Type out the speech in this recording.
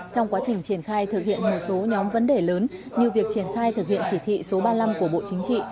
trong quá trình triển khai thực hiện một số nhóm vấn đề lớn như việc triển khai thực hiện chỉ thị số ba mươi năm của bộ chính trị